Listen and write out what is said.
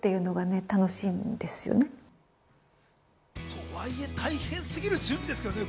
とはいえ、大変すぎる準備ですけどね。